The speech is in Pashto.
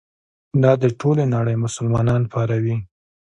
دا د ټولې نړۍ مسلمانان پاروي.